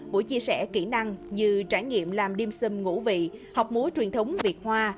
buổi chia sẻ kỹ năng như trải nghiệm làm dimsum ngũ vị học múa truyền thống việt hoa